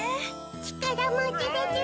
ちからもちでちゅ。